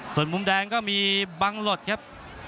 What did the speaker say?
ส่วนมุมแดงก็มีบังหลดครับ